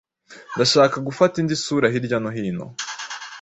Ndashaka gufata indi sura hirya no hino.